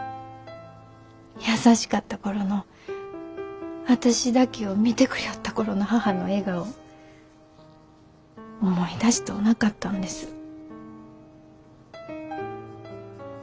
優しかった頃の私だけを見てくりょおった頃の母の笑顔を思い出しとうなかったんです。